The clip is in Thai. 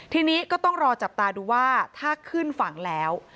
ทีนี้ก็ต้องรอจับตาดูว่าถ้าขึ้นฝั่งแล้ว